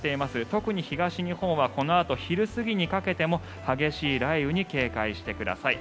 特に東日本はこのあと昼過ぎにかけても激しい雷雨に警戒してください。